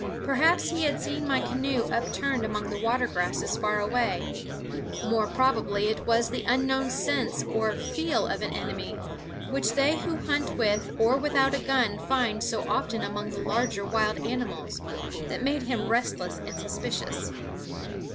Perhaps he had seen my canoe upturned among the water grasses far away; more probably it was the unknown sense or feel of an enemy, which they who hunt with or without a gun find so often among the larger wild animals, that made him restless and suspicious.